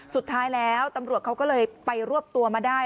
สุดท้ายแล้วตำรวจเขาก็เลยไปรวบตัวมาได้